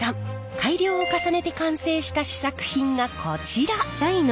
改良を重ねて完成した試作品がこちら！